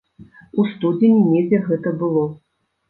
У студзені недзе гэта было.